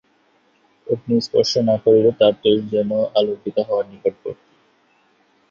অগ্নি স্পর্শ না করলেও তার তৈল যেন আলোকিত হওয়ার নিকটবর্তী।